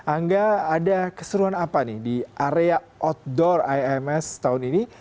angga ada keseruan apa nih di area outdoor ims tahun ini